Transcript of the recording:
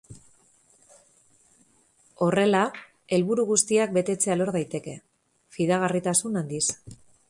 Horrela, helburu guztiak betetzea lor daiteke, fidagarritasun handiz.